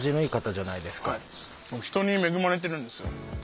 はい僕人に恵まれてるんですよ。